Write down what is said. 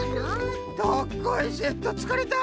どっこいせっとつかれた。